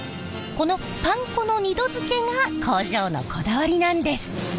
このパン粉の２度づけが工場のこだわりなんです！